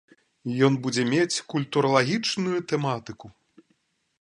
Ён будзе мець культуралагічную тэматыку.